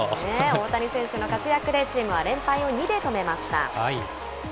大谷選手の活躍で、チームは連敗を２で止めました。